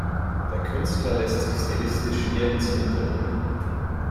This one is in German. Der Künstler läßt sich stilistisch nirgends unterbringen.